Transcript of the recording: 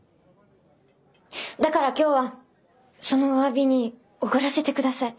だから今日はそのお詫びにおごらせてください。